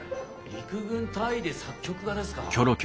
陸軍大尉で作曲家ですか？